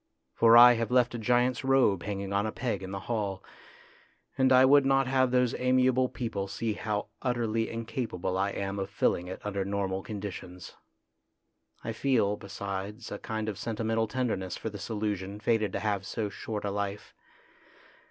For I have left a giant's robe hanging on a peg in the hall, and I would not have those amiable people see how utterly incapable I am of filling it under normal conditions. I feel, besides, a kind of sentimental tenderness THE GREAT MAN 263 for this illusion fated to have so short a life.